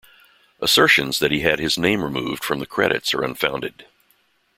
Assertions that he had his name removed from the credits are unfounded.